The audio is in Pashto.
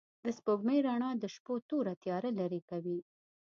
د سپوږمۍ رڼا د شپو توره تياره لېرې کوي.